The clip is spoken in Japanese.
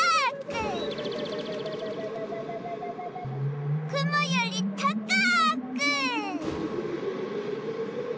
くもよりたかく！